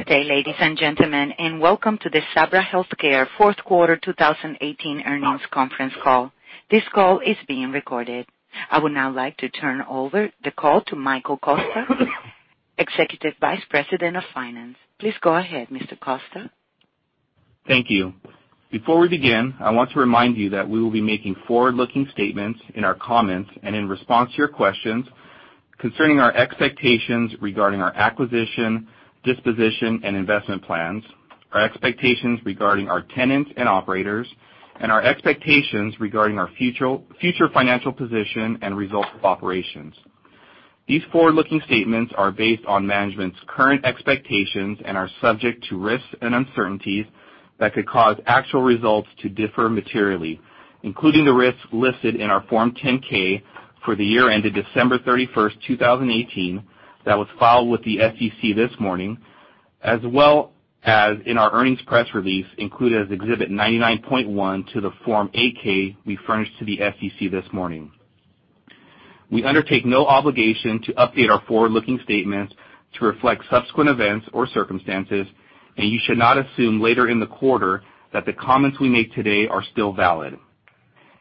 Good day, ladies and gentlemen, welcome to the Sabra Health Care fourth quarter 2018 earnings conference call. This call is being recorded. I would now like to turn over the call to Michael Costa, Executive Vice President, Finance. Please go ahead, Mr. Costa. Thank you. Before we begin, I want to remind you that we will be making forward-looking statements in our comments and in response to your questions concerning our expectations regarding our acquisition, disposition, and investment plans, our expectations regarding our tenants and operators, and our expectations regarding our future financial position and results of operations. These forward-looking statements are based on management's current expectations and are subject to risks and uncertainties that could cause actual results to differ materially, including the risks listed in our Form 10-K for the year ended December 31st, 2018, that was filed with the SEC this morning, as well as in our earnings press release, included as Exhibit 99.1 to the Form 8-K we furnished to the SEC this morning. We undertake no obligation to update our forward-looking statements to reflect subsequent events or circumstances. You should not assume later in the quarter that the comments we make today are still valid.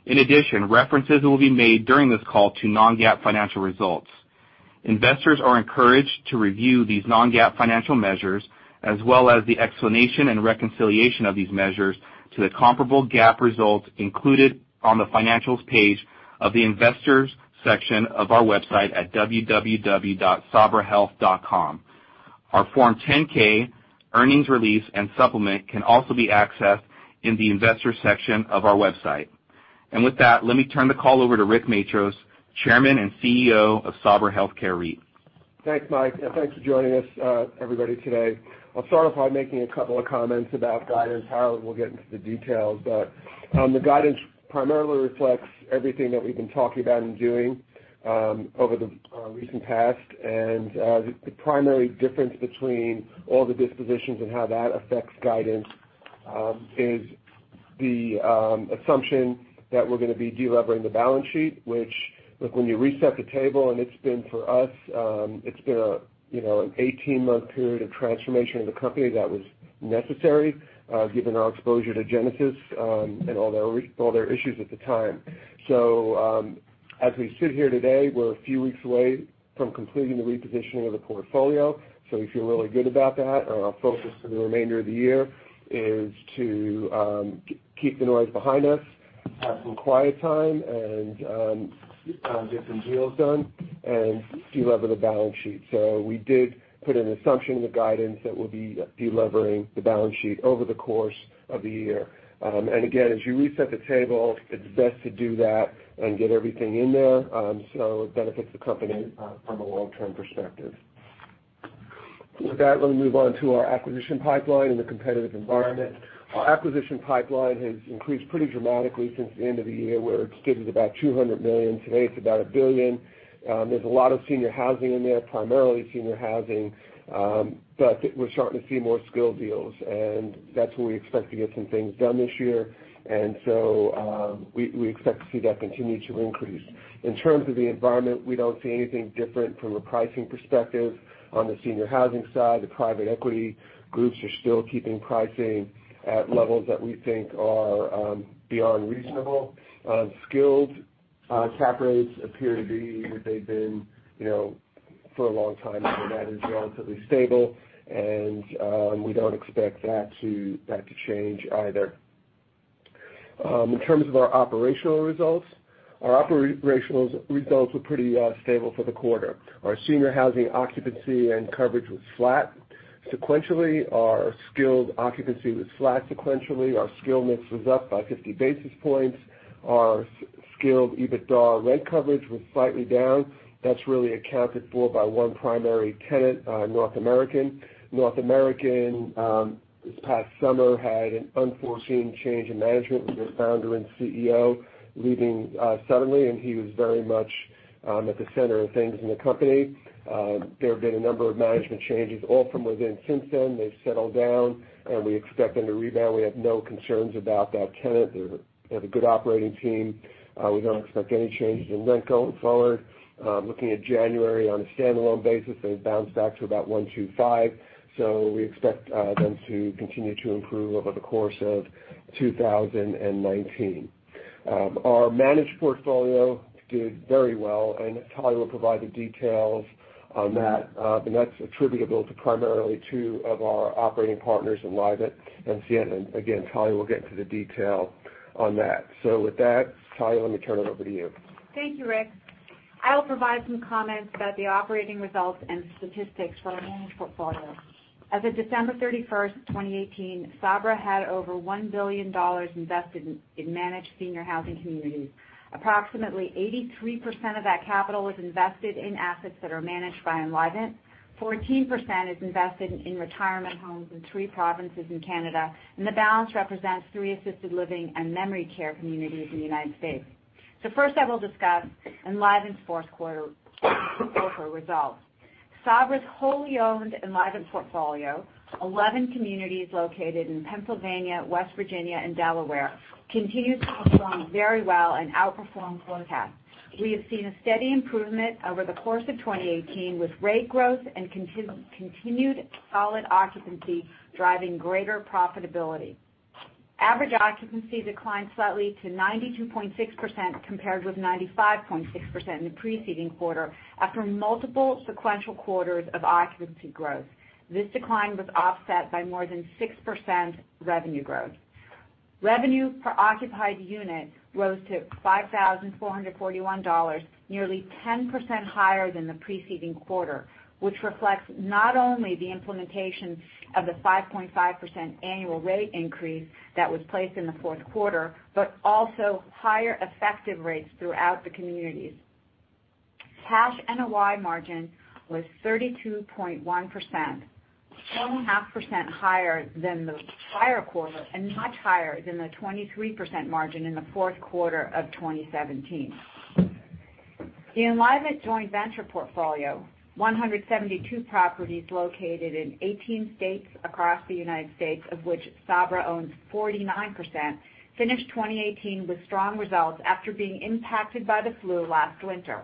In addition, references will be made during this call to non-GAAP financial results. Investors are encouraged to review these non-GAAP financial measures, as well as the explanation and reconciliation of these measures to the comparable GAAP results included on the Financials page of the Investors section of our website at www.sabrahealth.com. Our Form 10-K, earnings release, and supplement can also be accessed in the Investors section of our website. With that, let me turn the call over to Rick Matros, Chairman and CEO of Sabra Health Care REIT. Thanks, Mike. Thanks for joining us, everybody, today. I'll start off by making a couple of comments about guidance. Tal will get into the details. The guidance primarily reflects everything that we've been talking about and doing over the recent past. The primary difference between all the dispositions and how that affects guidance is the assumption that we're going to be de-levering the balance sheet, which, look, when you reset the table, it's been for us, it's been an 18-month period of transformation of the company that was necessary given our exposure to Genesis and all their issues at the time. As we sit here today, we're a few weeks away from completing the repositioning of the portfolio. We feel really good about that. Our focus for the remainder of the year is to keep the noise behind us, have some quiet time, and get some deals done and de-lever the balance sheet. We did put an assumption in the guidance that we will be de-levering the balance sheet over the course of the year. Again, as you reset the table, it is best to do that and get everything in there, so it benefits the company from a long-term perspective. With that, let me move on to our acquisition pipeline and the competitive environment. Our acquisition pipeline has increased pretty dramatically since the end of the year, where it started at about $200 million. Today, it is about $1 billion. There is a lot of senior housing in there, primarily senior housing, but we are starting to see more skilled deals, and that is where we expect to get some things done this year. We expect to see that continue to increase. In terms of the environment, we do not see anything different from a pricing perspective on the senior housing side. The private equity groups are still keeping pricing at levels that we think are beyond reasonable. Skilled cap rates appear to be what they have been for a long time. That is relatively stable, and we do not expect that to change either. In terms of our operational results, our operational results were pretty stable for the quarter. Our senior housing occupancy and coverage was flat. Sequentially, our skilled occupancy was flat sequentially. Our skilled mix was up by 50 basis points. Our skilled EBITDA rent coverage was slightly down. That is really accounted for by one primary tenant, North American. North American, this past summer, had an unforeseen change in management with their founder and CEO leaving suddenly, and he was very much at the center of things in the company. There have been a number of management changes, all from within since then. They have settled down, and we expect them to rebound. We have no concerns about that tenant. They have a good operating team. We do not expect any changes in rent going forward. Looking at January on a standalone basis, they have bounced back to about 125, so we expect them to continue to improve over the course of 2019. Our managed portfolio did very well, and Talya will provide the details on that, and that is attributable to primarily two of our operating partners, Enlivant and Sienna. Again, Talya will get into the detail on that. With that, Talya, let me turn it over to you. Thank you, Rick. I will provide some comments about the operating results and statistics for our managed portfolio. As of December 31st, 2018, Sabra had over $1 billion invested in managed senior housing communities. Approximately 83% of that capital is invested in assets that are managed by Enlivant, 14% is invested in retirement homes in three provinces in Canada, and the balance represents three assisted living and memory care communities in the United States. First, I will discuss Enlivant's fourth quarter results. Sabra's wholly owned Enlivant portfolio, 11 communities located in Pennsylvania, West Virginia, and Delaware, continues to perform very well and outperformed forecast. We have seen a steady improvement over the course of 2018 with rate growth and continued solid occupancy driving greater profitability. Average occupancy declined slightly to 92.6%, compared with 95.6% in the preceding quarter after multiple sequential quarters of occupancy growth. This decline was offset by more than 6% revenue growth. Revenue per occupied unit rose to $5,441, nearly 10% higher than the preceding quarter, which reflects not only the implementation of the 5.5% annual rate increase that was placed in the fourth quarter, but also higher effective rates throughout the communities. Cash NOI margin was 32.1%, 1.5% higher than the prior quarter and much higher than the 23% margin in the fourth quarter of 2017. The Enlivant joint venture portfolio, 172 properties located in 18 states across the U.S., of which Sabra owns 49%, finished 2018 with strong results after being impacted by the flu last winter.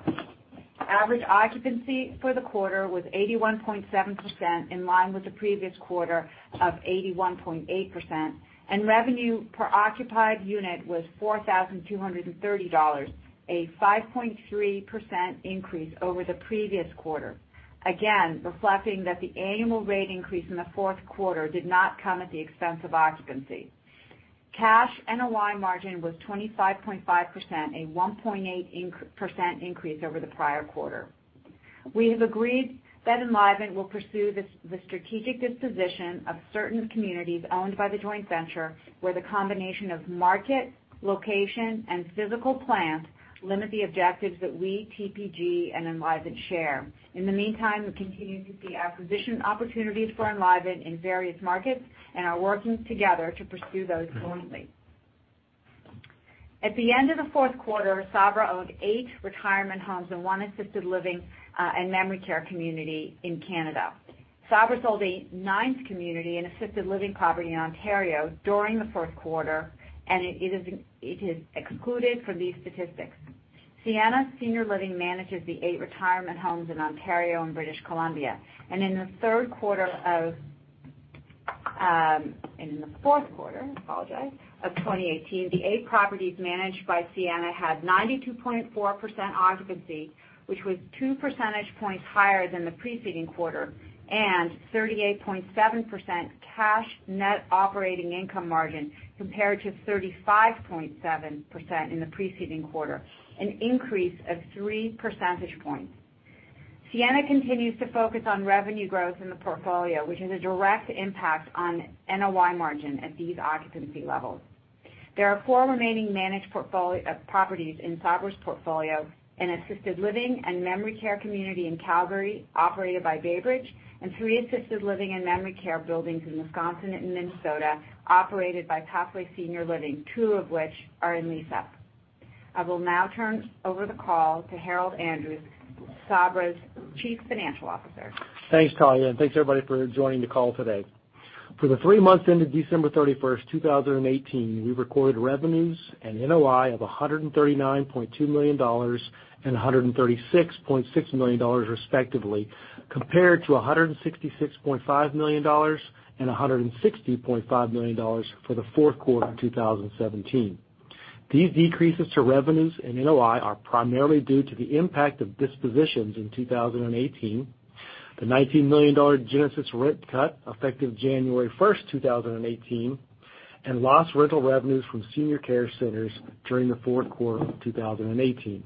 Average occupancy for the quarter was 81.7%, in line with the previous quarter of 81.8%, and revenue per occupied unit was $4,230, a 5.3% increase over the previous quarter, again reflecting that the annual rate increase in the fourth quarter did not come at the expense of occupancy. Cash NOI margin was 25.5%, a 1.8% increase over the prior quarter. We have agreed that Enlivant will pursue the strategic disposition of certain communities owned by the joint venture, where the combination of market, location, and physical plants limit the objectives that we, TPG, and Enlivant share. In the meantime, we continue to see acquisition opportunities for Enlivant in various markets and are working together to pursue those jointly. At the end of the fourth quarter, Sabra owned eight retirement homes and one assisted living and memory care community in Canada. Sabra sold a ninth community, an assisted living property in Ontario, during the first quarter, and it is excluded from these statistics. Sienna Senior Living manages the eight retirement homes in Ontario and British Columbia. In the fourth quarter of 2018, the eight properties managed by Sienna had 92.4% occupancy, which was two percentage points higher than the preceding quarter, and 38.7% cash NOI margin compared to 35.7% in the preceding quarter, an increase of three percentage points. Sienna continues to focus on revenue growth in the portfolio, which has a direct impact on NOI margin at these occupancy levels. There are four remaining managed properties in Sabra's portfolio, an assisted living and memory care community in Calgary operated by BayBridge, and three assisted living and memory care buildings in Wisconsin and Minnesota operated by Pathway Senior Living, two of which are in lease up. I will now turn over the call to Harold Andrews, Sabra's Chief Financial Officer. Thanks, Talya, and thanks, everybody, for joining the call today. For the three months ended December 31st, 2018, we recorded revenues and NOI of $139.2 million and $136.6 million respectively, compared to $166.5 million and $160.5 million for the fourth quarter of 2017. These decreases to revenues and NOI are primarily due to the impact of dispositions in 2018, the $19 million Genesis rent cut effective January 1st, 2018, and lost rental revenues from Senior Care Centers during the fourth quarter of 2018.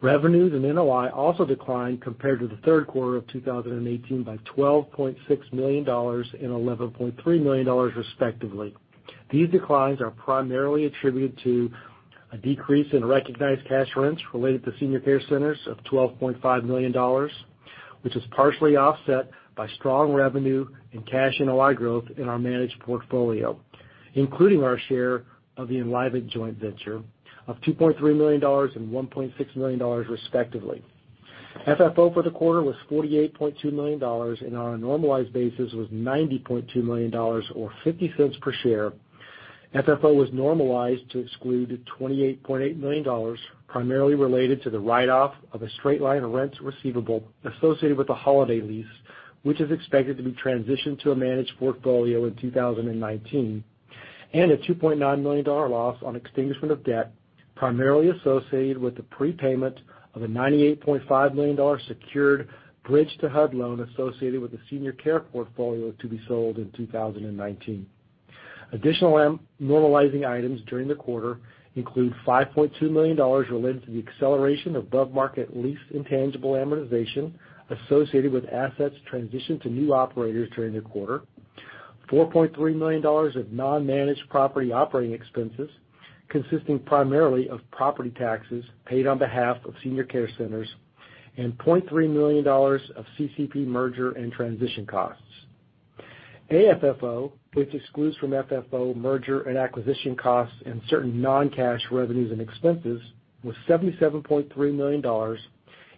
Revenues and NOI also declined compared to the third quarter of 2018 by $12.6 million and $11.3 million respectively. These declines are primarily attributed to a decrease in recognized cash rents related to Senior Care Centers of $12.5 million, which was partially offset by strong revenue and cash NOI growth in our managed portfolio, including our share of the Enlivant joint venture of $2.3 million and $1.6 million respectively. FFO for the quarter was $48.2 million and on a normalized basis was $90.2 million, or $0.50 per share. FFO was normalized to exclude $28.8 million, primarily related to the write-off of a straight line of rents receivable associated with the Holiday Lease, which is expected to be transitioned to a managed portfolio in 2019, and a $2.9 million loss on extinguishment of debt primarily associated with the prepayment of a $98.5 million secured bridge to HUD loan associated with the Senior Care portfolio to be sold in 2019. Additional normalizing items during the quarter include $5.2 million related to the acceleration of above-market lease intangible amortization associated with assets transitioned to new operators during the quarter, $4.3 million of non-managed property operating expenses consisting primarily of property taxes paid on behalf of Senior Care Centers, and $0.3 million of CCP merger and transition costs. AFFO, which excludes from FFO merger and acquisition costs and certain non-cash revenues and expenses, was $77.3 million,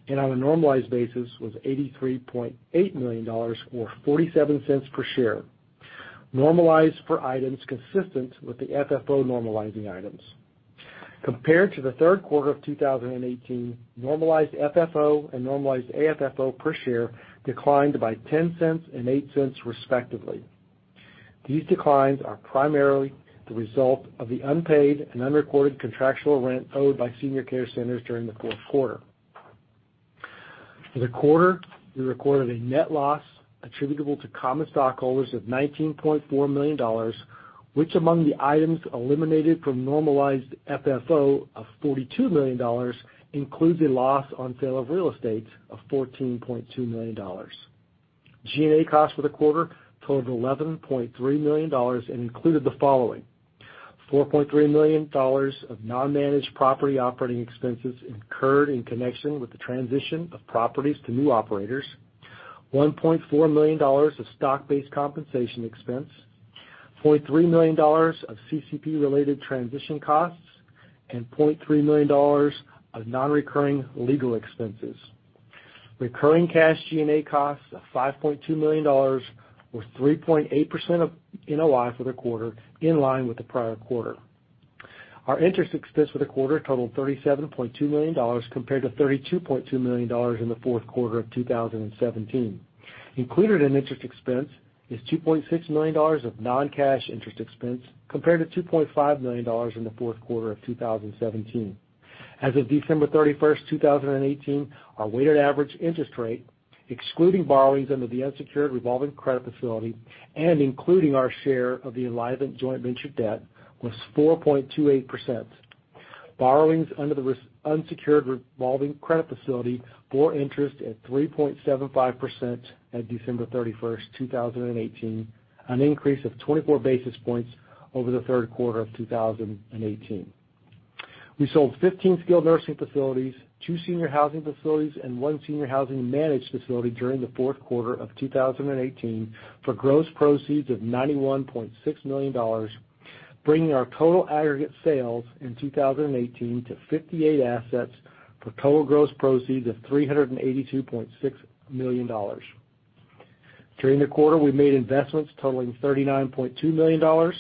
and on a normalized basis was $83.8 million, or $0.47 per share, normalized for items consistent with the FFO normalizing items. Compared to the third quarter of 2018, normalized FFO and normalized AFFO per share declined by $0.10 and $0.08 respectively. These declines are primarily the result of the unpaid and unrecorded contractual rent owed by Senior Care Centers during the fourth quarter. For the quarter, we recorded a net loss attributable to common stockholders of $19.4 million, which among the items eliminated from normalized FFO of $42 million, includes a loss on sale of real estate of $14.2 million. G&A costs for the quarter totaled $11.3 million and included the following: $4.3 million of non-managed property operating expenses incurred in connection with the transition of properties to new operators, $1.4 million of stock-based compensation expense, $0.3 million of CCP related transition costs, and $20.3 million of non-recurring legal expenses. Recurring cash G&A costs of $5.2 million or 3.8% of NOI for the quarter, in line with the prior quarter. Our interest expense for the quarter totaled $37.2 million compared to $32.2 million in the fourth quarter of 2017. Included in interest expense is $2.6 million of non-cash interest expense, compared to $2.5 million in the fourth quarter of 2017. As of December 31st, 2018, our weighted average interest rate, excluding borrowings under the unsecured revolving credit facility and including our share of the Enlivant joint venture debt, was 4.28%. Borrowings under the unsecured revolving credit facility bore interest at 3.75% at December 31st, 2018, an increase of 24 basis points over the third quarter of 2018. We sold 15 skilled nursing facilities, two senior housing facilities, and one senior housing managed facility during the fourth quarter of 2018 for gross proceeds of $91.6 million, bringing our total aggregate sales in 2018 to 58 assets for total gross proceeds of $382.6 million. During the quarter, we made investments totaling $39.2 million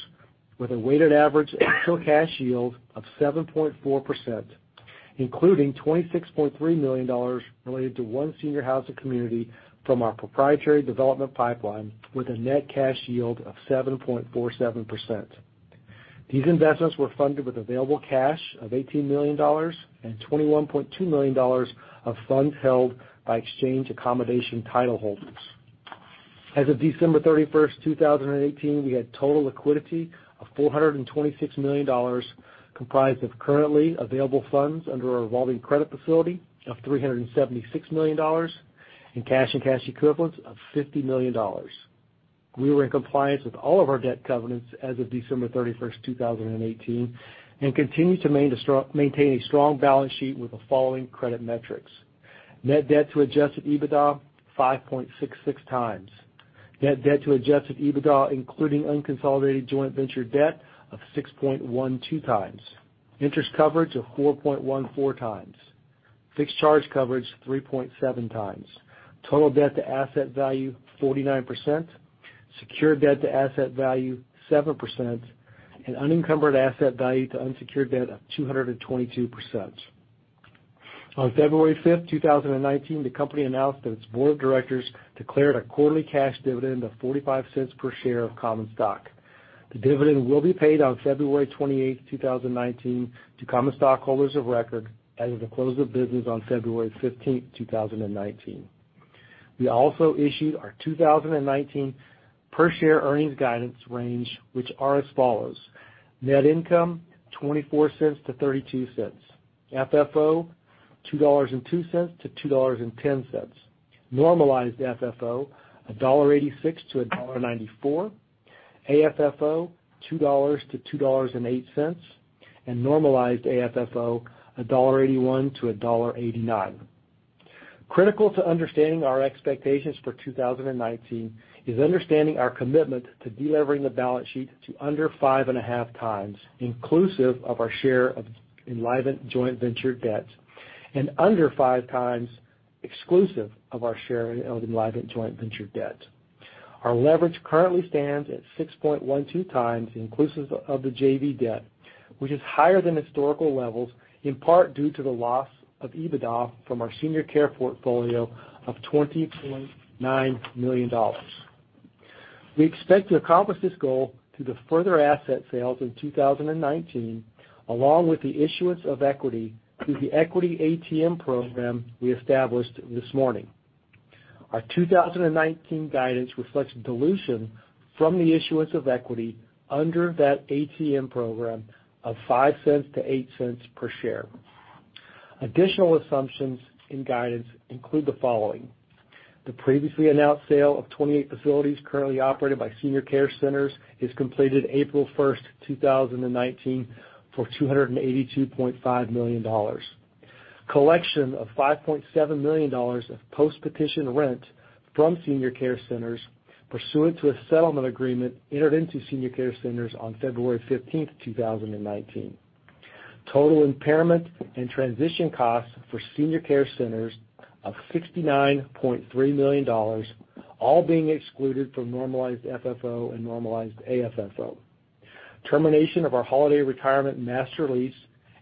with a weighted average actual cash yield of 7.4%, including $26.3 million related to one senior housing community from our proprietary development pipeline with a net cash yield of 7.47%. These investments were funded with available cash of $18 million and $21.2 million of funds held by exchange accommodation title holders. As of December 31st, 2018, we had total liquidity of $426 million, comprised of currently available funds under a revolving credit facility of $376 million and cash and cash equivalents of $50 million. We were in compliance with all of our debt covenants as of December 31st, 2018, and continue to maintain a strong balance sheet with the following credit metrics. Net debt to adjusted EBITDA, 5.66 times. Net debt to adjusted EBITDA, including unconsolidated joint venture debt of 6.12 times. Interest coverage of 4.14 times. Fixed charge coverage, 3.7 times. Total debt to asset value, 49%. Secured debt to asset value, 7%, and unencumbered asset value to unsecured debt of 222%. On February 5th, 2019, the company announced that its board of directors declared a quarterly cash dividend of $0.45 per share of common stock. The dividend will be paid on February 28th, 2019 to common stockholders of record as of the close of business on February 15th, 2019. We also issued our 2019 per share earnings guidance range, which are as follows: net income, $0.24 to $0.32. FFO, $2.02-$2.10. Normalized FFO, $1.86-$1.94. AFFO, $2.00-$2.08. And normalized AFFO, $1.81-$1.89. Critical to understanding our expectations for 2019 is understanding our commitment to de-levering the balance sheet to under five and a half times inclusive of our share of Enlivant joint venture debt and under five times exclusive of our share of Enlivant joint venture debt. Our leverage currently stands at 6.12 times inclusive of the JV debt, which is higher than historical levels, in part due to the loss of EBITDA from our Senior Care portfolio of $20.9 million. We expect to accomplish this goal through the further asset sales in 2019, along with the issuance of equity through the equity ATM program we established this morning. Our 2019 guidance reflects dilution from the issuance of equity under that ATM program of $0.05-$0.08 per share. Additional assumptions in guidance include the following. The previously announced sale of 28 facilities currently operated by Senior Care Centers is completed April 1st, 2019 for $282.5 million. Collection of $5.7 million of post-petition rent from Senior Care Centers pursuant to a settlement agreement entered into Senior Care Centers on February 15th, 2019. Total impairment and transition costs for Senior Care Centers of $69.3 million. All being excluded from normalized FFO and normalized AFFO. Termination of our Holiday Retirement master lease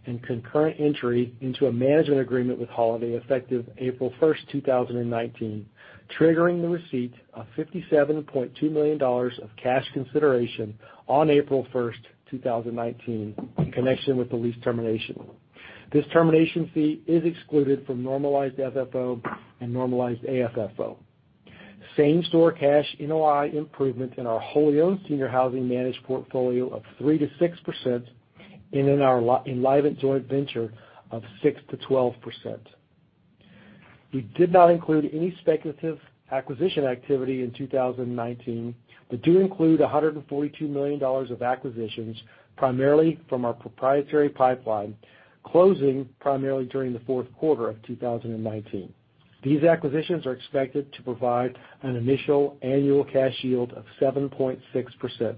and concurrent entry into a management agreement with Holiday effective April 1, 2019, triggering the receipt of $57.2 million of cash consideration on April 1, 2019, in connection with the lease termination. This termination fee is excluded from normalized FFO and normalized AFFO. Same-store cash NOI improvement in our wholly owned senior housing managed portfolio of 3%-6%, and in our Enlivant joint venture of 6%-12%. We did not include any speculative acquisition activity in 2019, but do include $142 million of acquisitions, primarily from our proprietary pipeline, closing primarily during the fourth quarter of 2019. These acquisitions are expected to provide an initial annual cash yield of 7.6%.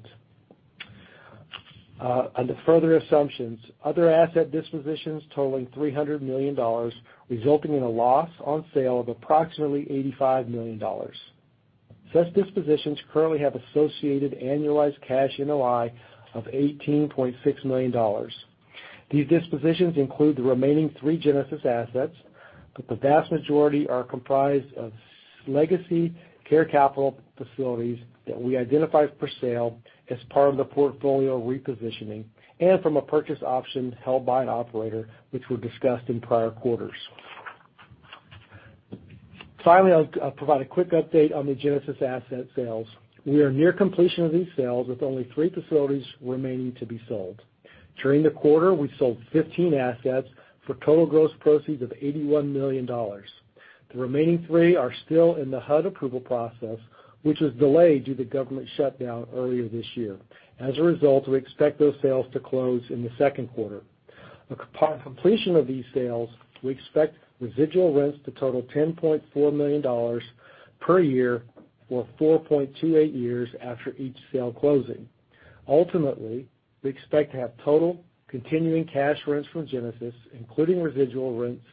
Under further assumptions, other asset dispositions totaling $300 million, resulting in a loss on sale of approximately $85 million. Such dispositions currently have associated annualized cash NOI of $18.6 million. These dispositions include the remaining three Genesis assets, but the vast majority are comprised of legacy Care Capital facilities that we identified for sale as part of the portfolio repositioning and from a purchase option held by an operator, which were discussed in prior quarters. I'll provide a quick update on the Genesis asset sales. We are near completion of these sales, with only three facilities remaining to be sold. During the quarter, we sold 15 assets for total gross proceeds of $81 million. The remaining three are still in the HUD approval process, which was delayed due to government shutdown earlier this year. We expect those sales to close in the second quarter. Upon completion of these sales, we expect residual rents to total $10.4 million per year for 4.28 years after each sale closing. We expect to have total continuing cash rents from Genesis, including residual rents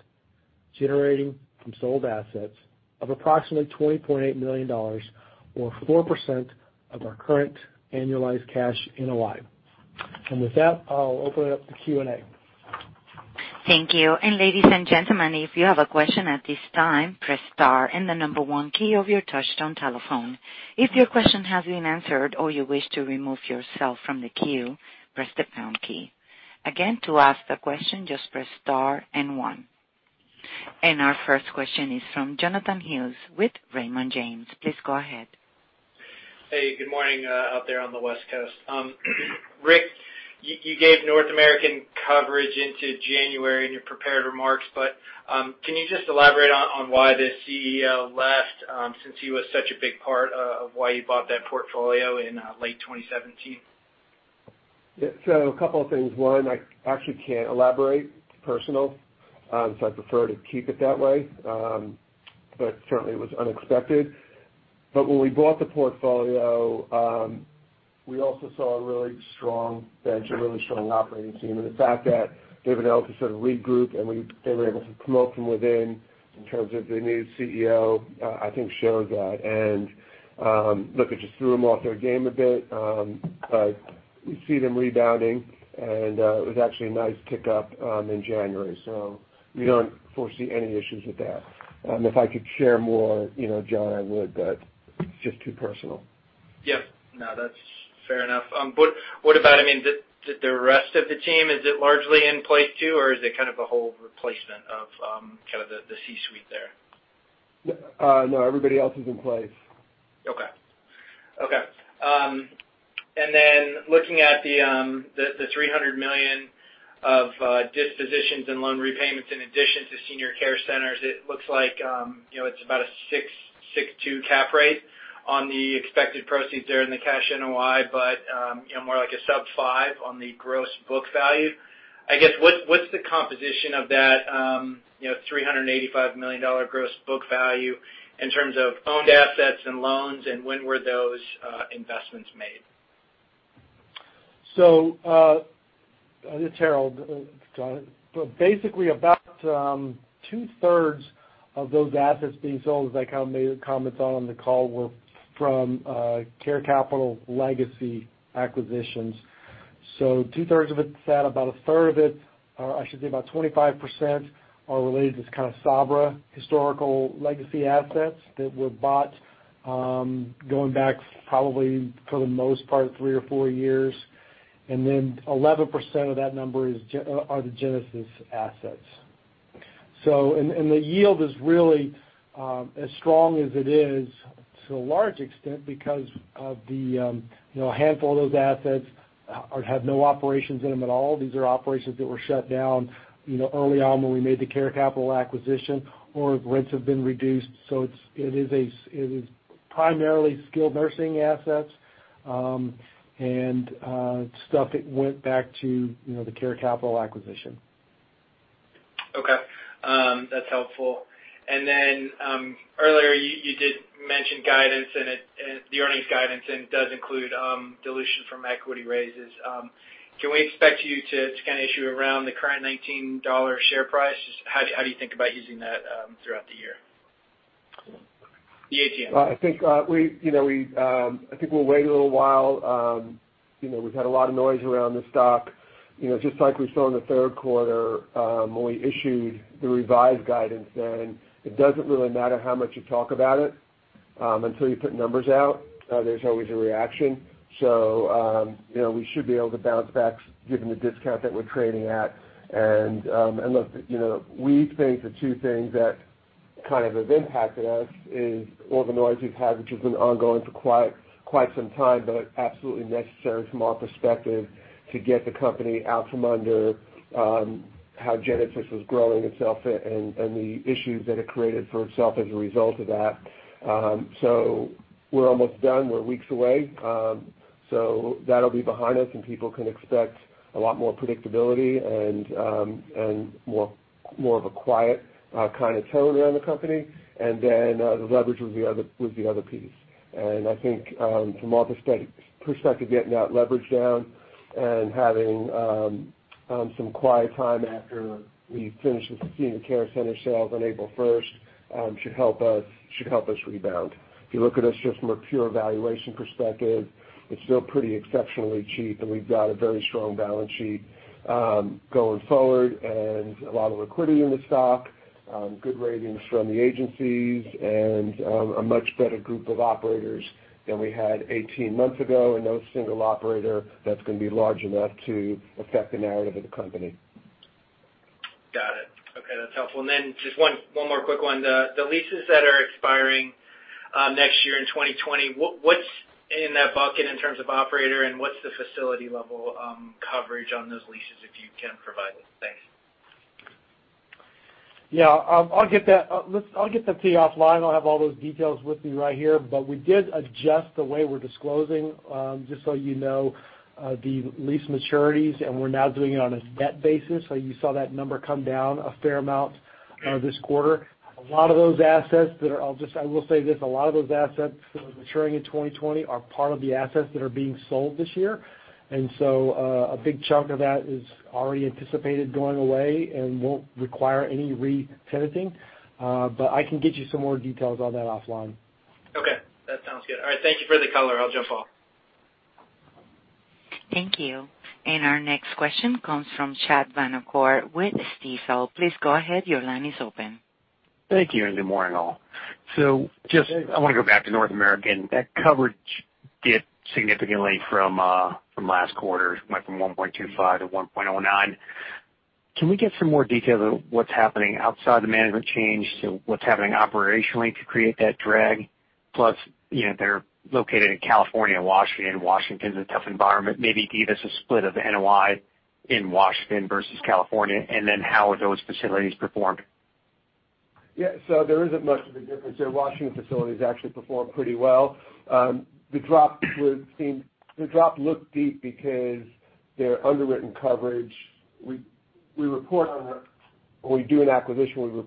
generating from sold assets, of approximately $20.8 million or 4% of our current annualized cash NOI. With that, I'll open it up to Q&A. Thank you. Ladies and gentlemen, if you have a question at this time, press star and the number one key of your touchtone telephone. If your question has been answered or you wish to remove yourself from the queue, press the pound key. Again, to ask a question, just press star and one. Our first question is from Jonathan Hughes with Raymond James. Please go ahead. Hey, good morning out there on the West Coast. Rick, you gave North American coverage into January in your prepared remarks. Can you just elaborate on why the CEO left since he was such a big part of why you bought that portfolio in late 2017? Yeah. A couple of things. One, I actually can't elaborate. It's personal. I prefer to keep it that way. Certainly it was unexpected. When we bought the portfolio, we also saw a really strong bench and really strong operating team, and the fact that David Ellis has sort of regrouped and they were able to promote from within in terms of the new CEO, I think showed that. Look, it just threw them off their game a bit. We see them rebounding, and it was actually a nice tick up in January. We don't foresee any issues with that. If I could share more, Jon, I would. It's just too personal. Yeah. No, that's fair enough. What about the rest of the team? Is it largely in place too, or is it a whole replacement of the C-suite there? No, everybody else is in place. Okay. Looking at the $300 million of dispositions and loan repayments in addition to Senior Care Centers, it looks like it's about a 6.2 cap rate on the expected proceeds there in the cash NOI, but more like a sub 5 on the gross book value. I guess, what's the composition of that $385 million gross book value in terms of owned assets and loans, and when were those investments made? This is Harold. Jon. Basically, about two-thirds of those assets being sold, as I kind of made the comments on the call, were from Care Capital legacy acquisitions. Two-thirds of it's that. About a third of it, or I should say about 25%, are related to Sabra historical legacy assets that were bought going back probably for the most part three or four years. 11% of that number are the Genesis assets. The yield is really as strong as it is to a large extent because of the handful of those assets have no operations in them at all. These are operations that were shut down early on when we made the Care Capital acquisition, or rents have been reduced. It is primarily skilled nursing assets, and stuff that went back to the Care Capital acquisition. Okay. That's helpful. Earlier you did mention guidance and the earnings guidance, it does include dilution from equity raises. Can we expect you to issue around the current $19 share price? How do you think about using that throughout the year? Yes. I think we'll wait a little while. We've had a lot of noise around the stock. Just like we saw in the third quarter, when we issued the revised guidance then, it doesn't really matter how much you talk about it until you put numbers out, there's always a reaction. We should be able to bounce back given the discount that we're trading at. Look, we think the two things that kind of have impacted us is all the noise we've had, which has been ongoing for quite some time, but absolutely necessary from our perspective to get the company out from under how Genesis was growing itself and the issues that it created for itself as a result of that. We're almost done. We're weeks away. That'll be behind us, and people can expect a lot more predictability and more of a quiet kind of tone around the company. The leverage with the other piece. I think, from our perspective, getting that leverage down and having some quiet time after we finish the Senior Care Centers sales on April 1st should help us rebound. If you look at us just from a pure valuation perspective, it's still pretty exceptionally cheap, and we've got a very strong balance sheet going forward and a lot of liquidity in the stock, good ratings from the agencies, and a much better group of operators than we had 18 months ago, and no single operator that's going to be large enough to affect the narrative of the company. Got it. Okay. That's helpful. Just one more quick one. The leases that are expiring next year in 2020, what's in that bucket in terms of operator, and what's the facility level coverage on those leases, if you can provide it? Thanks. Yeah. I'll get that to you offline. I don't have all those details with me right here, but we did adjust the way we're disclosing, just so you know, the lease maturities, and we're now doing it on a debt basis, so you saw that number come down a fair amount this quarter. I will say this, a lot of those assets that are maturing in 2020 are part of the assets that are being sold this year. A big chunk of that is already anticipated going away and won't require any re-tenanting. I can get you some more details on that offline. Okay. That sounds good. All right. Thank you for the color. I'll jump off. Thank you. Our next question comes from Chad Vanacore with Stifel. Please go ahead. Your line is open. Thank you, and good morning, all. Just I want to go back to North American. That coverage dipped significantly from last quarter. It went from 1.25 to 1.09. Can we get some more details on what's happening outside the management change to what's happening operationally to create that drag? Plus, they're located in California and Washington. Washington's a tough environment. Maybe give us a split of the NOI in Washington versus California, and then how have those facilities performed? Yeah. There isn't much of a difference there. Washington facilities actually perform pretty well. The drop looked deep because their underwritten coverage. When we do an acquisition,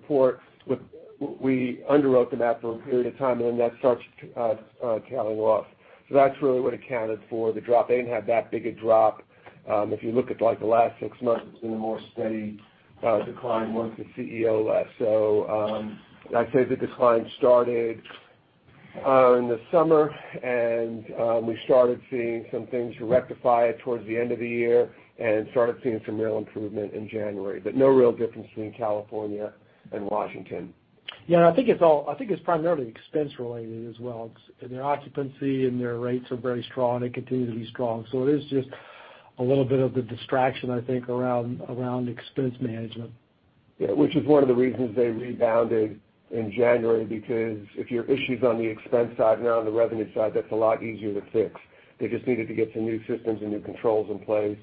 we underwrite the map for a period of time, and then that starts tailing off. That's really what accounted for the drop. They didn't have that big a drop. If you look at the last 6 months, it's been a more steady decline once the CEO left. I'd say the decline started in the summer, and we started seeing some things rectify towards the end of the year and started seeing some real improvement in January. No real difference between California and Washington. Yeah, and I think it's primarily expense related as well. Their occupancy and their rates are very strong. They continue to be strong. It is just a little bit of the distraction, I think, around expense management. Yeah, which is one of the reasons they rebounded in January, because if your issue's on the expense side, not on the revenue side, that's a lot easier to fix. They just needed to get some new systems and new controls in place,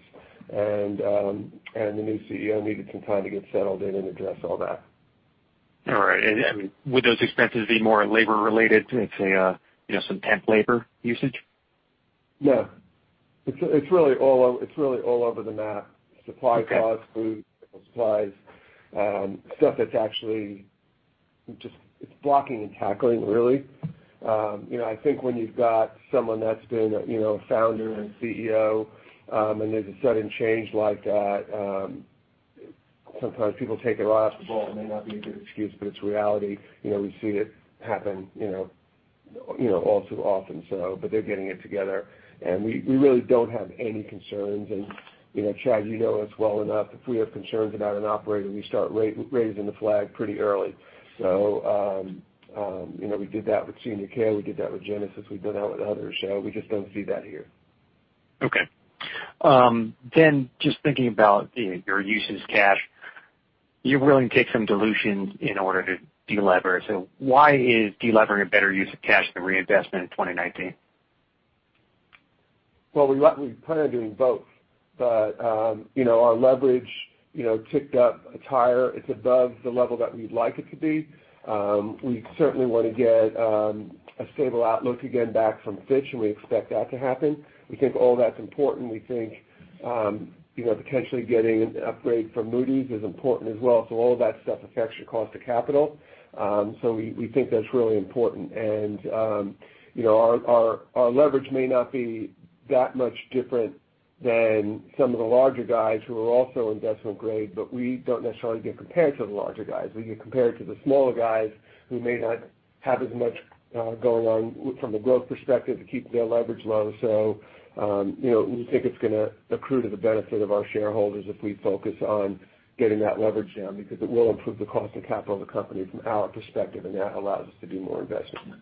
and the new CEO needed some time to get settled in and address all that. Would those expenses be more labor related, say, some temp labor usage? No. It's really all over the map. Supply costs, food, medical supplies, stuff that's actually just It's blocking and tackling, really. I think when you've got someone that's been a founder and CEO, and there's a sudden change like that, sometimes people take their eye off the ball. It may not be a good excuse, but it's reality. We see it happen all too often. They're getting it together, and we really don't have any concerns. Chad, you know us well enough. If we have concerns about an operator, we start raising the flag pretty early. We did that with Senior Care, we did that with Genesis, we've done that with others. We just don't see that here. Okay. Just thinking about your usage cash, you're willing to take some dilution in order to delever. Why is delevering a better use of cash than reinvestment in 2019? We plan on doing both. Our leverage ticked up. It's higher. It's above the level that we'd like it to be. We certainly want to get a stable outlook again back from Fitch. We expect that to happen. We think all that's important. We think potentially getting an upgrade from Moody's is important as well. All of that stuff affects your cost of capital. We think that's really important. Our leverage may not be that much different than some of the larger guys who are also investment grade, but we don't necessarily get compared to the larger guys. We get compared to the smaller guys who may not have as much going on from the growth perspective to keep their leverage low. We think it's going to accrue to the benefit of our shareholders if we focus on getting that leverage down, because it will improve the cost of capital of the company from our perspective. That allows us to do more investment.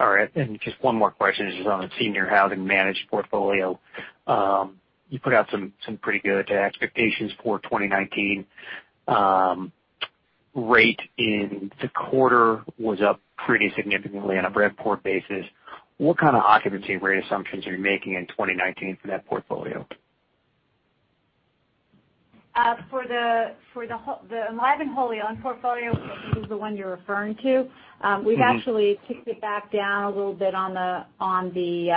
All right. Just one more question, just on the senior housing managed portfolio. You put out some pretty good expectations for 2019. Rate in the quarter was up pretty significantly on a RevPOR basis. What kind of occupancy rate assumptions are you making in 2019 for that portfolio? For the Enlivant wholly owned portfolio, which is the one you're referring to. we've actually kicked it back down a little bit on the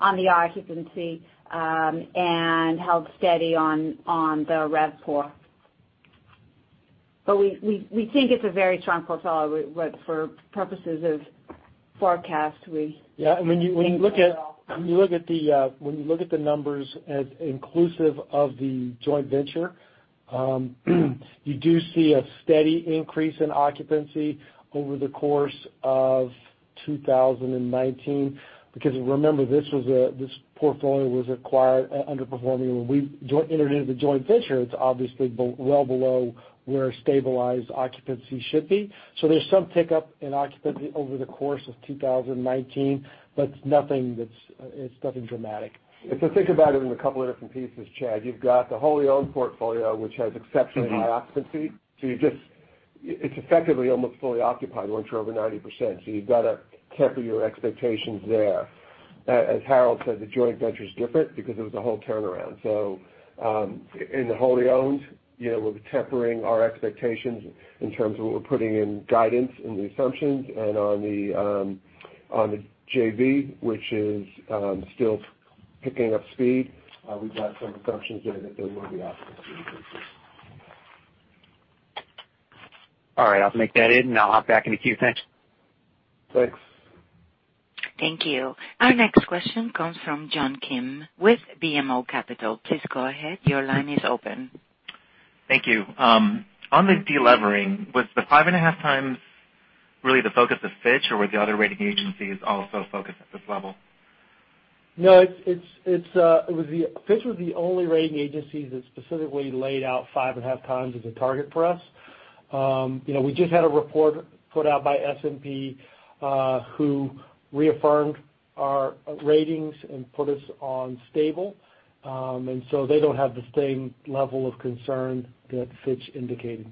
occupancy, and held steady on the RevPOR. We think it's a very strong portfolio. For purposes of forecast, Yeah, when you look at the numbers inclusive of the joint venture, you do see a steady increase in occupancy over the course of 2019. Remember, this portfolio was acquired underperforming. When we entered into the joint venture, it's obviously well below where stabilized occupancy should be. There's some tick up in occupancy over the course of 2019, but it's nothing dramatic. If you think about it in a couple of different pieces, Chad, you've got the wholly owned portfolio, which has exceptionally occupancy. It's effectively almost fully occupied once you're over 90%. You've got to temper your expectations there. As Harold said, the joint venture is different because it was a whole turnaround. In the wholly owned, we'll be tempering our expectations in terms of what we're putting in guidance in the assumptions. On the JV, which is still picking up speed, we've got some assumptions there that there will be occupancy increases. All right. I'll make that it, and I'll hop back in queue. Thanks. Thanks. Thank you. Our next question comes from John Kim with BMO Capital. Please go ahead. Your line is open. Thank you. On the delevering, was the 5.5 times really the focus of Fitch, or were the other rating agencies also focused at this level? No, Fitch was the only rating agency that specifically laid out 5.5 times as a target for us. We just had a report put out by S&P, who reaffirmed our ratings and put us on stable. They don't have the same level of concern that Fitch indicated.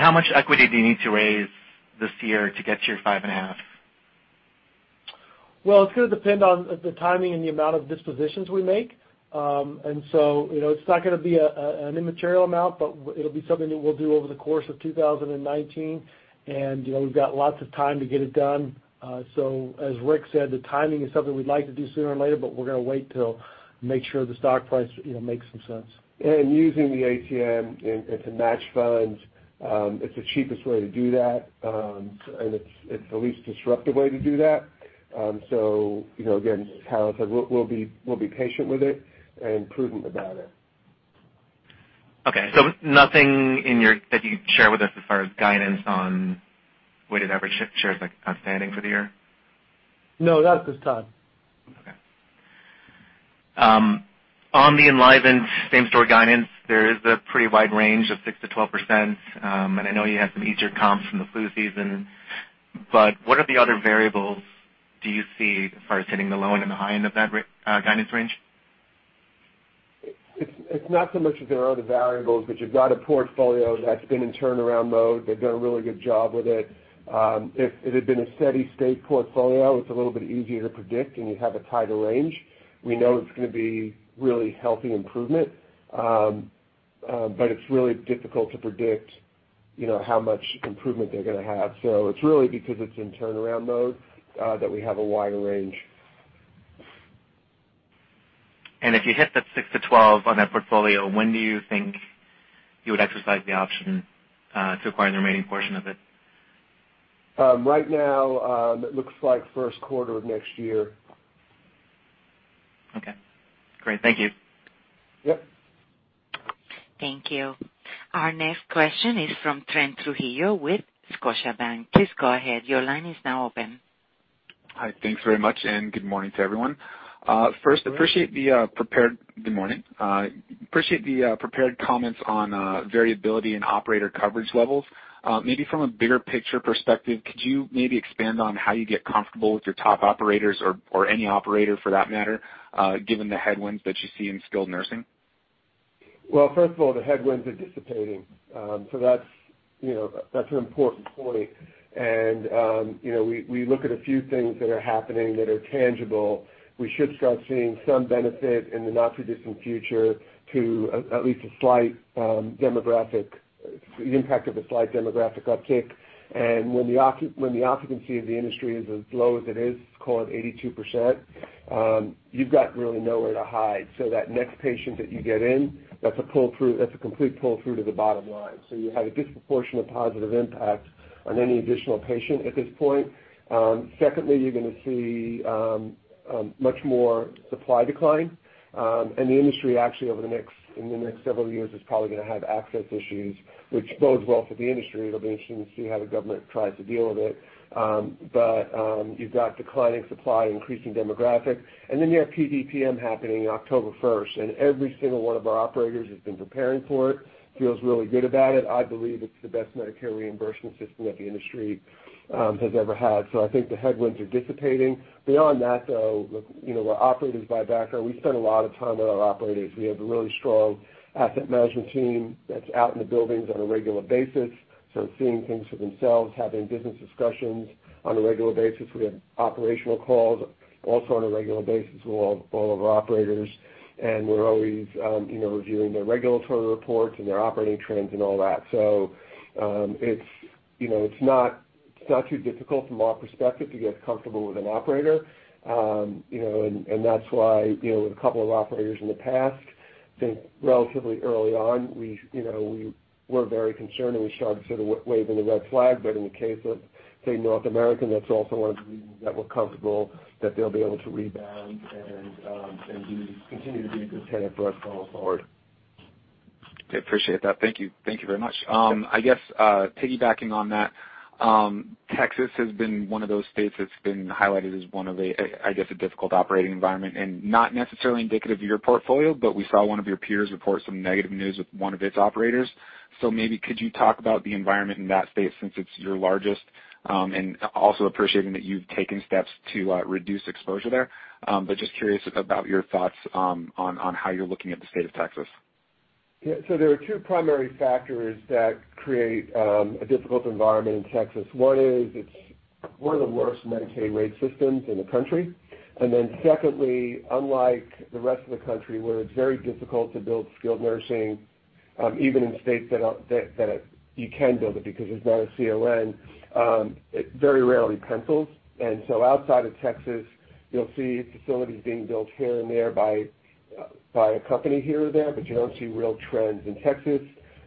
How much equity do you need to raise this year to get to your 5.5? Well, it's going to depend on the timing and the amount of dispositions we make. It's not going to be an immaterial amount, but it'll be something that we'll do over the course of 2019. We've got lots of time to get it done. As Rick said, the timing is something we'd like to do sooner or later, but we're going to wait till make sure the stock price makes some sense. Using the ATM and to match funds, it's the cheapest way to do that, and it's the least disruptive way to do that. Again, as Harold said, we'll be patient with it and prudent about it. Okay. Nothing that you'd share with us as far as guidance on weighted average shares outstanding for the year? No, not at this time. Okay. On the Enlivant same-store guidance, there is a pretty wide range of 6%-12%, and I know you had some easier comps from the flu season. What are the other variables do you see as far as hitting the low and the high end of that guidance range? It's not so much that there are other variables, you've got a portfolio that's been in turnaround mode. They've done a really good job with it. If it had been a steady state portfolio, it's a little bit easier to predict, and you have a tighter range. We know it's going to be really healthy improvement. It's really difficult to predict how much improvement they're going to have. It's really because it's in turnaround mode that we have a wider range. If you hit that 6%-12% on that portfolio, when do you think you would exercise the option to acquire the remaining portion of it? Right now, it looks like first quarter of next year. Okay, great. Thank you. Yep. Thank you. Our next question is from Trent Trujillo with Scotiabank. Please go ahead. Your line is now open. Hi. Thanks very much, and good morning to everyone. Good morning. Appreciate the prepared comments on variability and operator coverage levels. Maybe from a bigger picture perspective, could you maybe expand on how you get comfortable with your top operators or any operator for that matter, given the headwinds that you see in skilled nursing? Well, first of all, the headwinds are dissipating. That's an important point. We look at a few things that are happening that are tangible. We should start seeing some benefit in the not-too-distant future to at least a slight demographic uptake. When the occupancy of the industry is as low as it is, call it 82%, you've got really nowhere to hide. That next patient that you get in, that's a complete pull-through to the bottom line. You have a disproportionate positive impact on any additional patient at this point. Secondly, you're going to see much more supply decline. The industry, actually, over the next several years, is probably going to have access issues, which bodes well for the industry. It'll be interesting to see how the government tries to deal with it. You've got declining supply, increasing demographics, you have PDPM happening October 1st, Every single one of our operators has been preparing for it, feels really good about it. I believe it's the best Medicare reimbursement system that the industry has ever had. I think the headwinds are dissipating. Beyond that, though, we're operators by background. We spend a lot of time with our operators. We have a really strong asset management team that's out in the buildings on a regular basis, seeing things for themselves, having business discussions on a regular basis. We have operational calls also on a regular basis with all of our operators, and we're always reviewing their regulatory reports and their operating trends and all that. It's not too difficult from our perspective to get comfortable with an operator. That's why, with a couple of operators in the past, I think relatively early on, we were very concerned, and we started sort of waving a red flag, but in the case of, say, North American, that's also one of the reasons that we're comfortable that they'll be able to rebound and continue to be a good tenant for us going forward. I appreciate that. Thank you. Thank you very much. I guess, piggybacking on that, Texas has been one of those states that's been highlighted as one of a, I guess, a difficult operating environment and not necessarily indicative of your portfolio, but we saw one of your peers report some negative news with one of its operators. Maybe could you talk about the environment in that state since it's your largest? Also appreciating that you've taken steps to reduce exposure there, but just curious about your thoughts, on how you're looking at the state of Texas. There are two primary factors that create a difficult environment in Texas. One is it's one of the worst Medicaid rate systems in the country. Secondly, unlike the rest of the country where it's very difficult to build skilled nursing, even in states that you can build it because there's not a CON, it very rarely pencils. Outside of Texas, you'll see facilities being built here and there by a company here or there, but you don't see real trends. In Texas,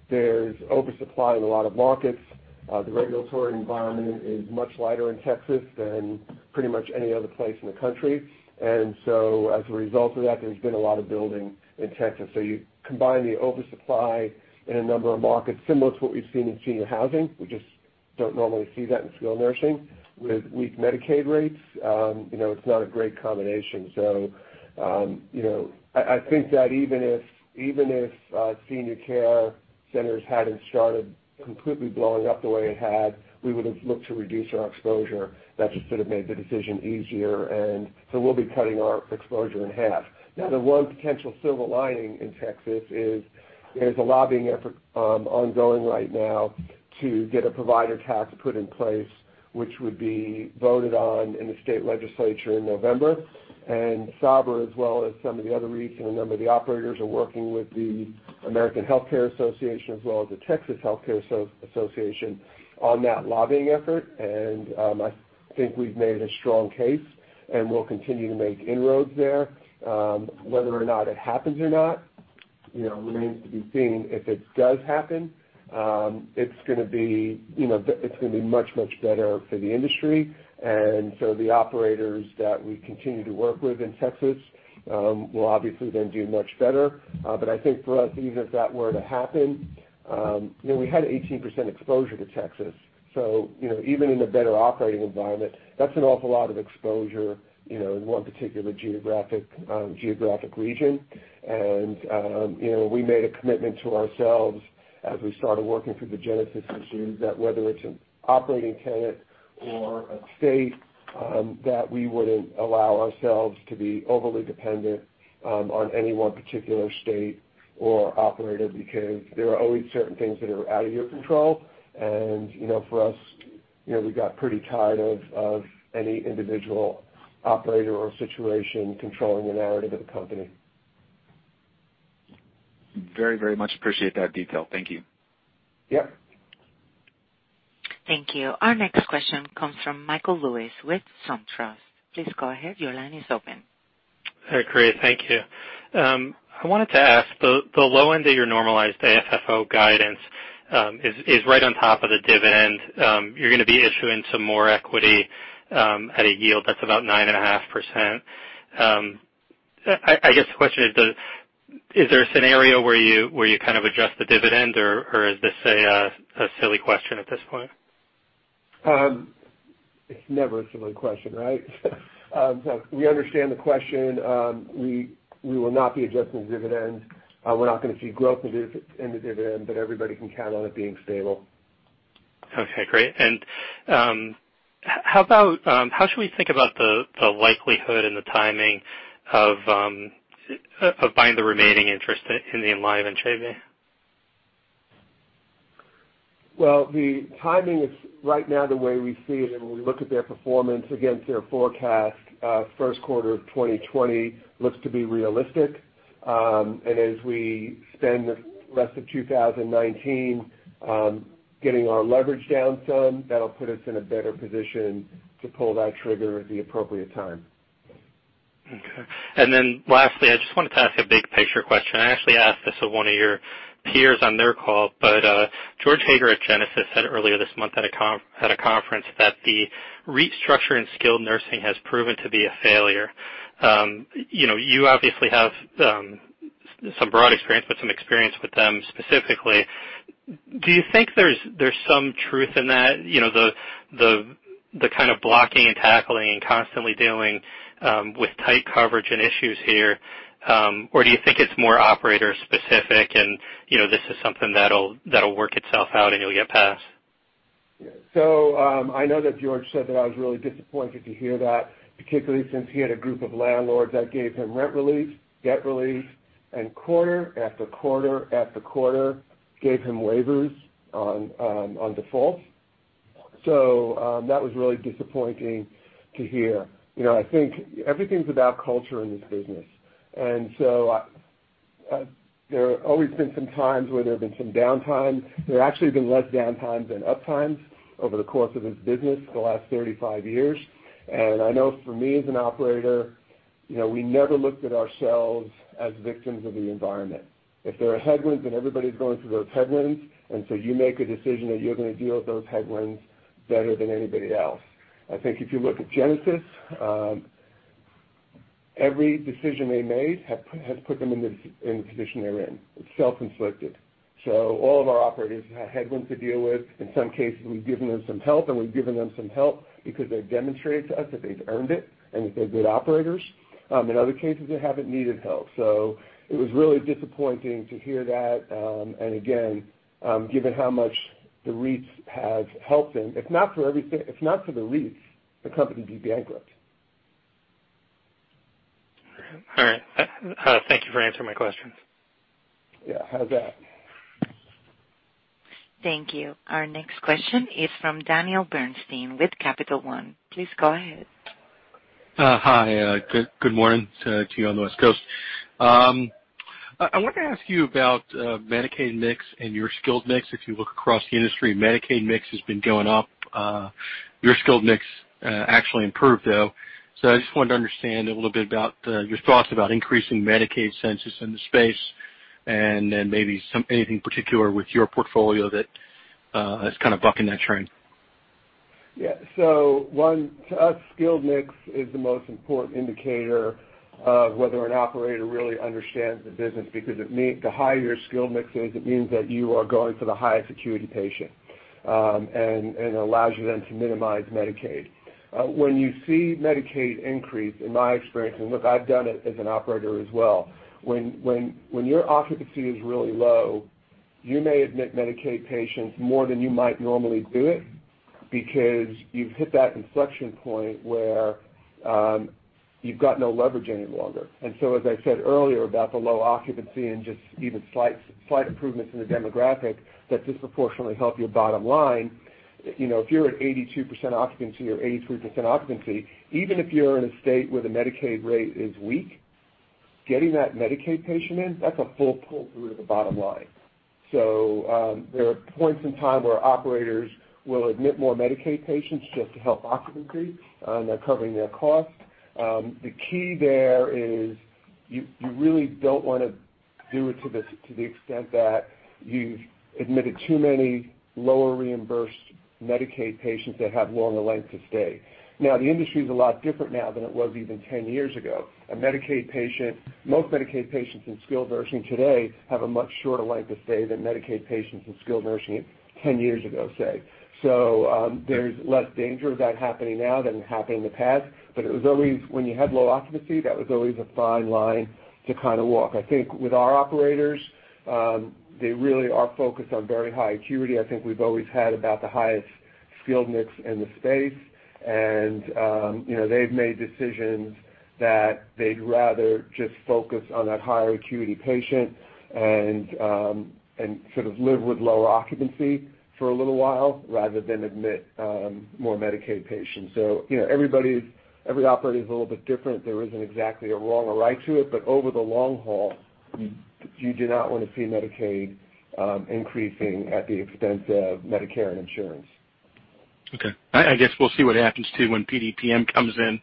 there's oversupply in a lot of markets. The regulatory environment is much lighter in Texas than pretty much any other place in the country. As a result of that, there's been a lot of building in Texas. You combine the oversupply in a number of markets similar to what we've seen in senior housing, we just don't normally see that in skilled nursing, with weak Medicaid rates, it's not a great combination. I think that even if Senior Care Centers hadn't started completely blowing up the way it had, we would've looked to reduce our exposure. That just would've made the decision easier, we'll be cutting our exposure in half. The one potential silver lining in Texas is there's a lobbying effort ongoing right now to get a provider tax put in place, which would be voted on in the state legislature in November. Sabra, as well as some of the other REITs and a number of the operators, are working with the American Health Care Association as well as the Texas Health Care Association on that lobbying effort, and I think we've made a strong case, and we'll continue to make inroads there. Whether or not it happens or not, remains to be seen. If it does happen, it's going to be much, much better for the industry. The operators that we continue to work with in Texas will obviously then do much better. I think for us, even if that were to happen, we had 18% exposure to Texas. Even in a better operating environment, that's an awful lot of exposure in one particular geographic region. We made a commitment to ourselves as we started working through the Genesis issues that whether it's an operating tenant or a state, that we wouldn't allow ourselves to be overly dependent on any one particular state or operator, because there are always certain things that are out of your control. For us, we got pretty tired of any individual operator or situation controlling the narrative of the company. Very, very much appreciate that detail. Thank you. Yep. Thank you. Our next question comes from Michael Lewis with SunTrust. Please go ahead. Your line is open. Hi, Rick. Thank you. I wanted to ask, the low end of your normalized AFFO guidance is right on top of the dividend. You're gonna be issuing some more equity at a yield that's about 9.5%. I guess the question is there a scenario where you kind of adjust the dividend, or is this a silly question at this point? It's never a silly question, right? We understand the question. We will not be adjusting the dividend. We're not gonna see growth in the dividend, everybody can count on it being stable. Okay, great. How should we think about the likelihood and the timing of buying the remaining interest in the Enlivant JV? Well, the timing is right now the way we see it, when we look at their performance against their forecast, first quarter of 2020 looks to be realistic. As we spend the rest of 2019 getting our leverage down some, that'll put us in a better position to pull that trigger at the appropriate time. Lastly, I just wanted to ask a big picture question. I actually asked this of one of your peers on their call. George Hager at Genesis said earlier this month at a conference that the restructuring skilled nursing has proven to be a failure. You obviously have some broad experience, but some experience with them specifically. Do you think there's some truth in that? The kind of blocking and tackling and constantly dealing with tight coverage and issues here, or do you think it's more operator specific and this is something that'll work itself out and you'll get past? I know that George said that. I was really disappointed to hear that, particularly since he had a group of landlords that gave him rent relief, debt relief, and quarter after quarter gave him waivers on defaults. That was really disappointing to hear. I think everything's about culture in this business. There have always been some times where there have been some downtime. There actually have been less downtimes than uptimes over the course of this business for the last 35 years. I know for me as an operator, we never looked at ourselves as victims of the environment. If there are headwinds, everybody's going through those headwinds, and so you make a decision that you're going to deal with those headwinds better than anybody else. I think if you look at Genesis, every decision they made has put them in the position they're in. It's self-inflicted. All of our operators have had headwinds to deal with. In some cases, we've given them some help, and we've given them some help because they've demonstrated to us that they've earned it and that they're good operators. In other cases, they haven't needed help. It was really disappointing to hear that, and again, given how much the REITs have helped them, if not for the REITs, the company would be bankrupt. All right. Thank you for answering my questions. Yeah, have a good one. Thank you. Our next question is from Daniel Bernstein with Capital One. Please go ahead. Hi, good morning to you on the West Coast. I wanted to ask you about Medicaid mix and your skilled mix. If you look across the industry, Medicaid mix has been going up. Your skilled mix actually improved, though. I just wanted to understand a little bit about your thoughts about increasing Medicaid census in the space, and then maybe anything particular with your portfolio that is kind of bucking that trend. Yeah. One, to us, skilled mix is the most important indicator of whether an operator really understands the business, because the higher your skilled mix is, it means that you are going for the higher acuity patient, and it allows you then to minimize Medicaid. When you see Medicaid increase, in my experience, and look, I've done it as an operator as well, when your occupancy is really low, you may admit Medicaid patients more than you might normally do it, because you've hit that inflection point where you've got no leverage any longer. As I said earlier about the low occupancy and just even slight improvements in the demographic that disproportionately help your bottom line, if you're at 82% occupancy or 83% occupancy, even if you're in a state where the Medicaid rate is weak, getting that Medicaid patient in, that's a full pull-through to the bottom line. There are points in time where operators will admit more Medicaid patients just to help occupancy, and they're covering their costs. The key there is you really don't want to do it to the extent that you've admitted too many lower reimbursed Medicaid patients that have longer lengths of stay. The industry is a lot different now than it was even 10 years ago. Most Medicaid patients in skilled nursing today have a much shorter length of stay than Medicaid patients in skilled nursing 10 years ago, say. There's less danger of that happening now than happened in the past. When you had low occupancy, that was always a fine line to walk. I think with our operators, they really are focused on very high acuity. I think we've always had about the highest skilled mix in the space, and they've made decisions that they'd rather just focus on that higher acuity patient and sort of live with lower occupancy for a little while, rather than admit more Medicaid patients. Every operator is a little bit different. There isn't exactly a wrong or right to it. Over the long haul, you do not want to see Medicaid increasing at the expense of Medicare and insurance. Okay. I guess we'll see what happens, too, when PDPM comes in,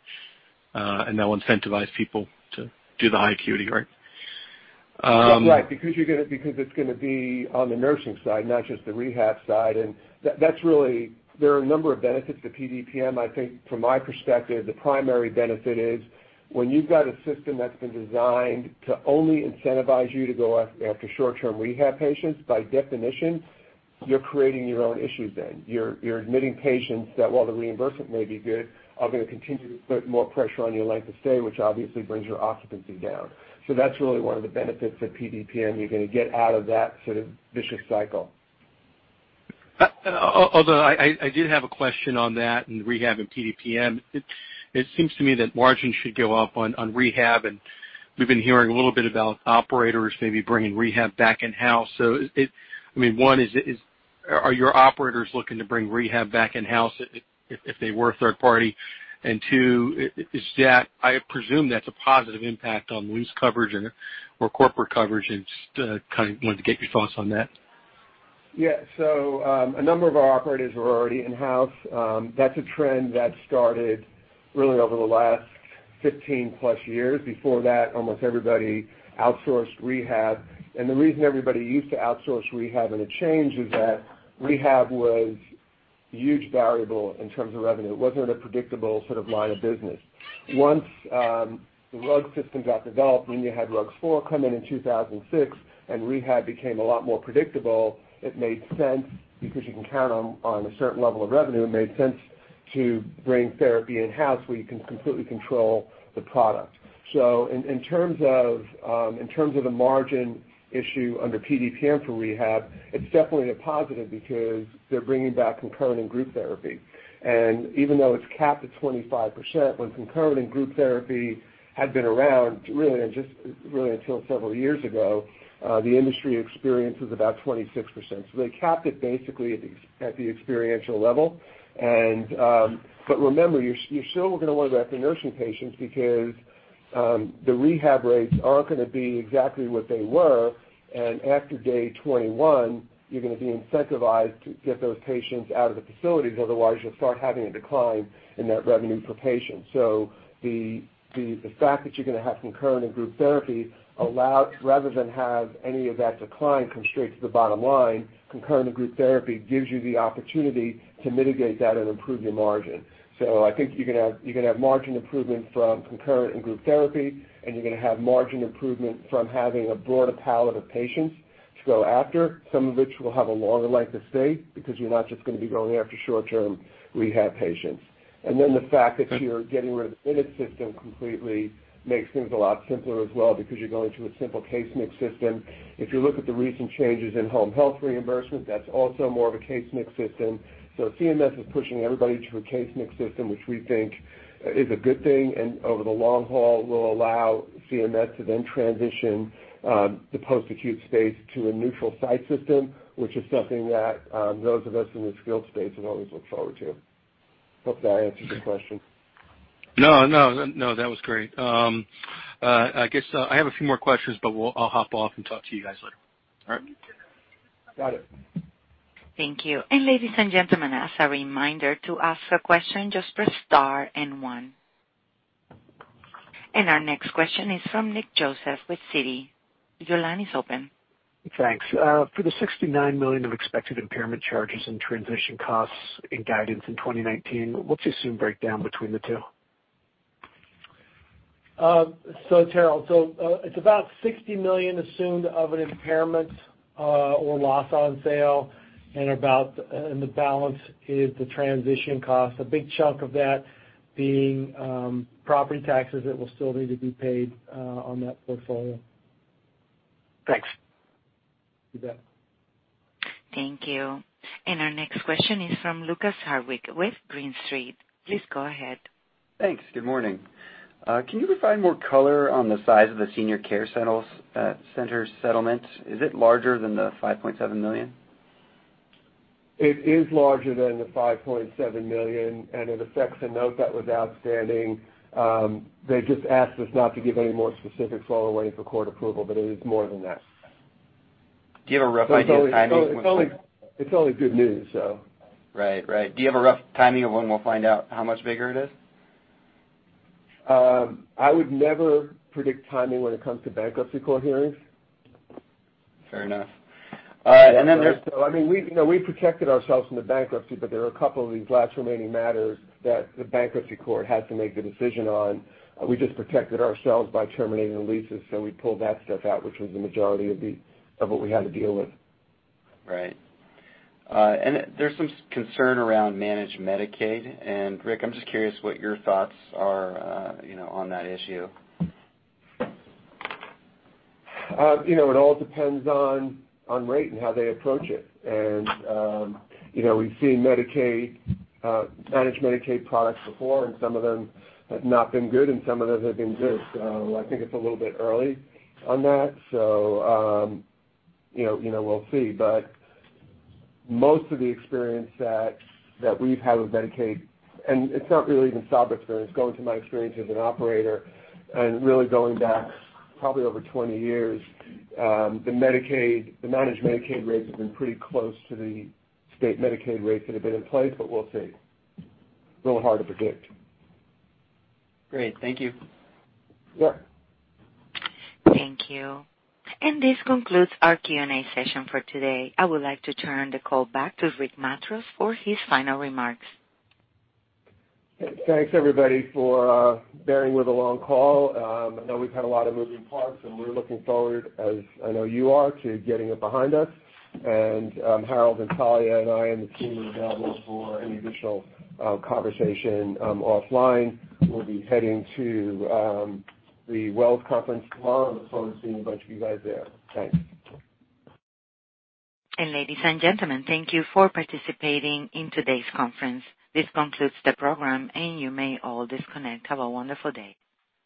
and they'll incentivize people to do the high acuity, right? Right, because it's going to be on the nursing side, not just the rehab side. There are a number of benefits to PDPM. I think from my perspective, the primary benefit is when you've got a system that's been designed to only incentivize you to go after short-term rehab patients, by definition, you're creating your own issues then. You're admitting patients that while the reimbursement may be good, are going to continue to put more pressure on your length of stay, which obviously brings your occupancy down. That's really one of the benefits of PDPM. You're going to get out of that sort of vicious cycle. I did have a question on that and rehab and PDPM. It seems to me that margins should go up on rehab. We've been hearing a little bit about operators maybe bringing rehab back in-house. Are your operators looking to bring rehab back in-house if they were third-party? Two, I presume that's a positive impact on lease coverage or corporate coverage and just wanted to get your thoughts on that. A number of our operators were already in-house. That's a trend that started really over the last 15+ years. Before that, almost everybody outsourced rehab. The reason everybody used to outsource rehab and it changed was that rehab was a huge variable in terms of revenue. It wasn't a predictable sort of line of business. Once the RUG system got developed, when you had RUG-IV come in in 2006, rehab became a lot more predictable. It made sense because you can count on a certain level of revenue. It made sense to bring therapy in-house where you can completely control the product. In terms of the margin issue under PDPM for rehab, it's definitely a positive because they're bringing back concurrent and group therapy. Even though it's capped at 25%, when concurrent and group therapy had been around, really until several years ago, the industry experience was about 26%. They capped it basically at the experiential level. Remember, you're still going to want to wrap your nursing patients because the rehab rates aren't going to be exactly what they were. After day 21, you're going to be incentivized to get those patients out of the facilities. Otherwise, you'll start having a decline in that revenue per patient. The fact that you're going to have concurrent and group therapy, rather than have any of that decline come straight to the bottom line, concurrent and group therapy gives you the opportunity to mitigate that and improve your margin. I think you're going to have margin improvement from concurrent and group therapy. You're going to have margin improvement from having a broader palette of patients to go after, some of which will have a longer length of stay, because you're not just going to be going after short-term rehab patients. The fact that you're getting rid of the minute system completely makes things a lot simpler as well because you're going to a simple case mix system. If you look at the recent changes in home health reimbursement, that's also more of a case mix system. CMS is pushing everybody to a case mix system, which we think is a good thing, and over the long haul, will allow CMS to then transition the post-acute space to a neutral site system, which is something that those of us in the skilled space have always looked forward to. Hope that answers your question. No, that was great. I guess I have a few more questions, but I'll hop off and talk to you guys later. All right? Got it. Thank you. Ladies and gentlemen, as a reminder, to ask a question, just press star and one. Our next question is from Nick Joseph with Citi. Your line is open. Thanks. For the $69 million of expected impairment charges and transition costs in guidance in 2019, what's the assumed breakdown between the two? Talya, it's about $60 million assumed of an impairment or loss on sale, the balance is the transition cost. A big chunk of that being property taxes that will still need to be paid on that portfolio. Thanks. You bet. Thank you. Our next question is from Lukas Hartwich with Green Street. Please go ahead. Thanks. Good morning. Can you provide more color on the size of the Senior Care Centers settlement? Is it larger than the $5.7 million? It is larger than the $5.7 million. It affects a note that was outstanding. They just asked us not to give any more specifics while we're waiting for court approval, it is more than that. Do you have a rough idea of timing? It's only good news. Right. Do you have a rough timing of when we'll find out how much bigger it is? I would never predict timing when it comes to bankruptcy court hearings. Fair enough. We protected ourselves from the bankruptcy, but there are a couple of these last remaining matters that the bankruptcy court has to make the decision on. We just protected ourselves by terminating the leases, so we pulled that stuff out, which was the majority of what we had to deal with. Right. There's some concern around managed Medicaid, and Rick, I'm just curious what your thoughts are on that issue. It all depends on rate and how they approach it, and we've seen managed Medicaid products before, and some of them have not been good and some of them have been good. I think it's a little bit early on that. We'll see, but most of the experience that we've had with Medicaid, and it's not really even Sabra experience, going to my experience as an operator and really going back probably over 20 years, the managed Medicaid rates have been pretty close to the state Medicaid rates that have been in place, but we'll see. Little hard to predict. Great. Thank you. Yeah. Thank you. This concludes our Q&A session for today. I would like to turn the call back to Rick Matros for his final remarks. Thanks, everybody, for bearing with the long call. I know we've had a lot of moving parts, and we're looking forward as, I know you are, to getting it behind us. Harold and Talya and I and the team are available for any additional conversation offline. We'll be heading to the Wells Conference tomorrow and look forward to seeing a bunch of you guys there. Thanks. Ladies and gentlemen, thank you for participating in today's conference. This concludes the program, and you may all disconnect. Have a wonderful day.